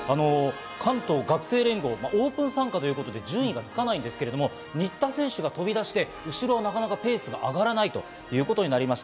関東学生連合、オープン参加ということで、順位がつかないんですけれど、新田選手が飛び出して、後ろをなかなかペースが上がらないということになりました。